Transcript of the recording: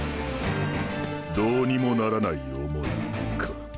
“どうにもならない想い”――か。